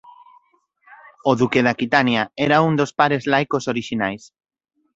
O Duque de Aquitania era un dos pares laicos orixinais.